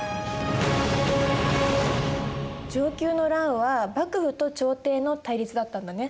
承久の乱は幕府と朝廷の対立だったんだね。